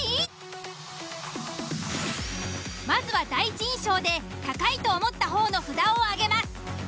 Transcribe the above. まずは第一印象で高いと思った方の札を挙げます。